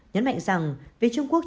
nhấn mạnh rằng việc trung quốc